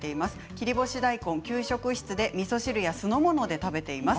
切り干し大根、給食室でみそ汁や酢の物で食べています。